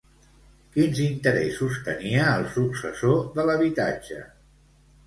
Quins interessos tenia el successor de l'habitatge?